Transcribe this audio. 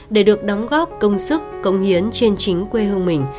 để được đóng góp công sức công hiến trên chính quê hương mình